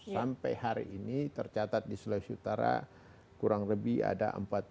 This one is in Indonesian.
sampai hari ini tercatat di sulawesi utara kurang lebih ada empat enam ratus enam puluh dua